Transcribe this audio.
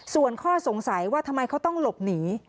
ส่วนข้อสงสัยว่าทำไมเขาต้องหลบหนี